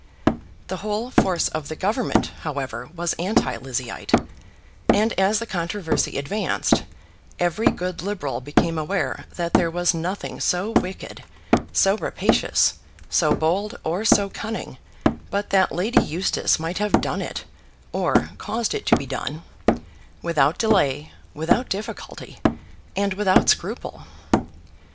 The whole force of the Government, however, was anti Lizzieite; and as the controversy advanced, every good Liberal became aware that there was nothing so wicked, so rapacious, so bold, or so cunning but that Lady Eustace might have done it, or caused it to be done, without delay, without difficulty, and without scruple.